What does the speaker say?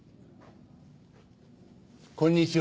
こんにちは。